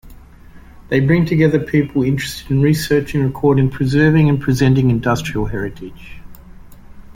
They bring together people interested in researching, recording, preserving and presenting industrial heritage.